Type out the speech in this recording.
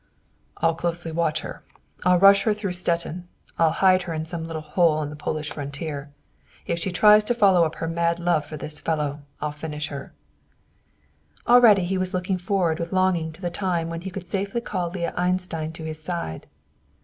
"I'll closely watch her. I'll rush her through Stettin. I'll hide her in some little hole on the Polish frontier. If she tries to follow up her mad love for this fellow, I'll finish her." Already he looked forward with longing to the time when he could safely call Leah Einstein to his side.